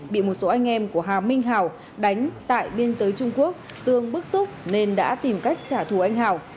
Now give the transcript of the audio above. bị một số anh em của hà minh hảo đánh tại biên giới trung quốc tương bức xúc nên đã tìm cách trả thù anh hảo